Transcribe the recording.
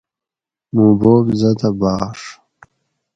موں بوب زدہ بھاڛ